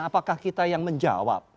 apakah kita yang menjawab